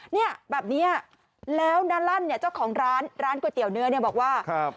นี่แบบนี้แล้วนั่นเจ้าของร้านก๋วยเตี๋ยวเนื้อบอกว่า